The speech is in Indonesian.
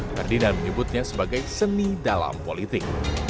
ferdinand menyebutnya sebagai seni dalam politik